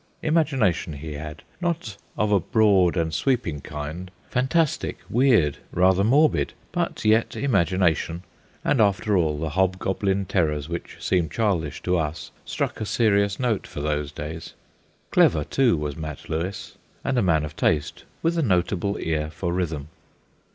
Imagination he had, not of a broad and sweeping kind, fantastic, weird, rather morbid, but yet imagination, and after all the hobgoblin terrors which seem childish to us struck a serious note for those days. Clever, too, was Mat Lewis, and a man of taste, with a notable ear for rhythm.